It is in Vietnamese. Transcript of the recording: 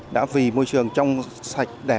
đã vì môi trường trong sạch đẹp